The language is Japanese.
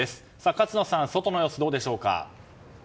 勝野さん外の様子はどうでしょうか？